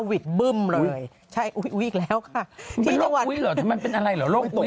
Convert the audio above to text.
หวิดบึ้มเลยใช่อุ้ยอุ้ยอีกแล้วค่ะอุ้ยหรอมันเป็นอะไรเหรอโรคอุ้ย